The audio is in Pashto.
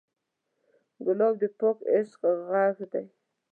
ګلاب د پاک عشق غږ دی.